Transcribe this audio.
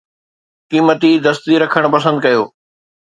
قيمتي دستي رکڻ پسند ڪيو.